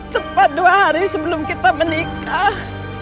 tepat dua hari sebelum kita menikah